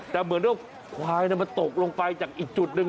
แต่เหมือนว่าควายมันตกลงไปจากอีกจุดหนึ่ง